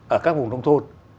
ở các vùng nông thôn